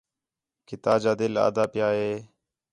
کہ نا جا دِل آہدا پِیا ہِے